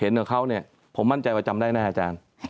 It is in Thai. กับเขาเนี่ยผมมั่นใจว่าจำได้ไหมอาจารย์